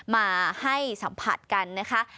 มาให้สัมผัสกันนะคะ